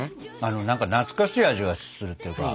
何か懐かしい味がするっていうか。